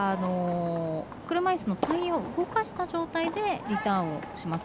車いすのタイヤを動かした状態でリターンをします。